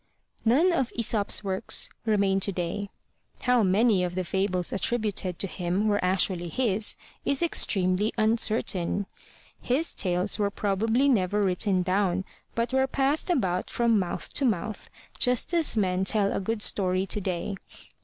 None of Aesop's works remain today. How many of the fables attributed to him were actually his is extremely uncertain. His tales were probably never written down but were passed about from mouth to mouth, just as men tell a good story today.